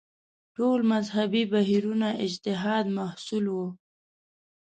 ټول مذهبي بهیرونه اجتهاد محصول وو